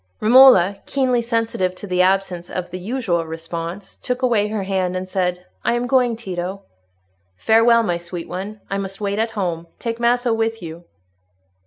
Romola, keenly sensitive to the absence of the usual response, took away her hand and said, "I am going, Tito." "Farewell, my sweet one. I must wait at home. Take Maso with you."